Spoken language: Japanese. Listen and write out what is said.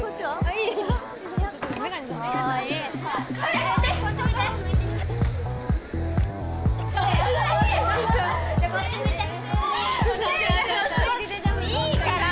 いいから！